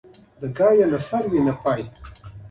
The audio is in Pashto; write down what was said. موږ سره خو هېڅ نشته، که څه کوي هم ملک یې کوي.